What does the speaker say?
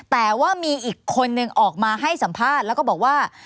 แต่ว่ามีอีกคนนึงออกมาให้สัมภาษณ์แล้วก็บอกว่า